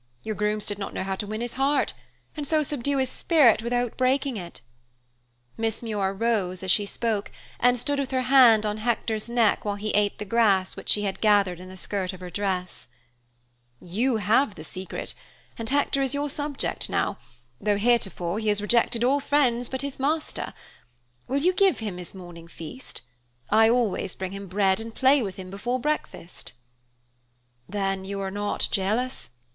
Your grooms did not know how to win his heart, and so subdue his spirit without breaking it." Miss Muir rose as she spoke, and stood with her hand on Hector's neck while he ate the grass which she had gathered in the skirt of her dress. "You have the secret, and Hector is your subject now, though heretofore he has rejected all friends but his master. Will you give him his morning feast? I always bring him bread and play with him before breakfast." "Then you are not jealous?"